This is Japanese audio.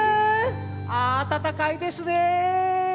あたたかいですね。